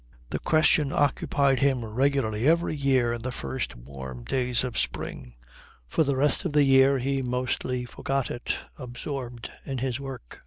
The question occupied him regularly every year in the first warm days of spring. For the rest of the year he mostly forgot it, absorbed in his work.